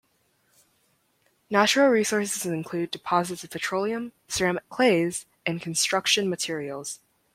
Natural resources include deposits of petroleum, ceramic clays, and construction materials.